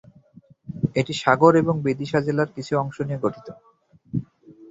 এটি সাগর এবং বিদিশা জেলার কিছু অংশ নিয়ে গঠিত।